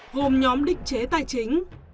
gồm nhóm định chế tài chính